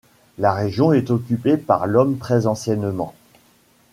La région est occupée par l'homme très anciennement.